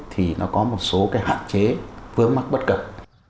thì nó có một số cái hạn chế vướng mắc bất cập